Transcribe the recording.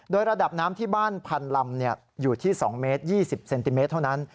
โดยระดับน้ำที่บ้านพันลำอยู่ที่๒เมตร๒๐เซนติเมตรเท่านั้น